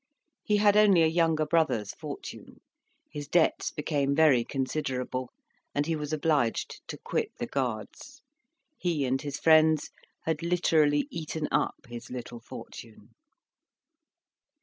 He had only a younger brother's fortune; his debts became very considerable, and he was obliged to quit the Guards. He and his friends had literally eaten up his little fortune.